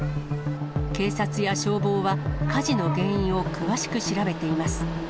警察や消防は、火事の原因を詳しく調べています。